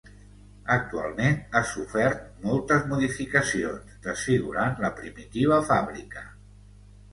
Actualment ha sofert moltes modificacions desfigurant la primitiva fàbrica.